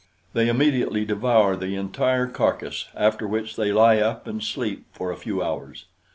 They immediately devour the entire carcass, after which they lie up and sleep for a few hours.